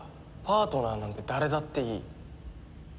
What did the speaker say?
パートナーなんて誰だっていい。